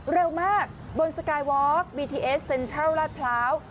เร็วมากบนสกายวอล์กบีทีเอสเซ็นทรัลลาดพร้าว